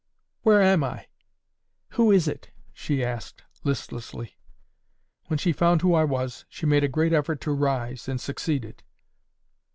"Where am I? Who is it?" she asked, listlessly. When she found who I was, she made a great effort to rise, and succeeded.